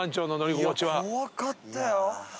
怖かったよ。